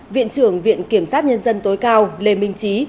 viện trưởng viện kiểm sát nhân dân tối cao lê minh trí